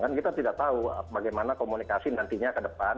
kan kita tidak tahu bagaimana komunikasi nantinya ke depan